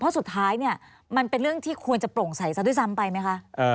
เพราะสุดท้ายเนี่ยมันเป็นเรื่องที่ควรจะโปร่งใสซะด้วยซ้ำไปไหมคะ